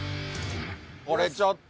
これちょっと。